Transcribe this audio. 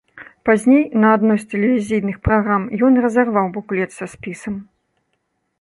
Пазней, на адной з тэлевізійных праграм ён разарваў буклет са спісам.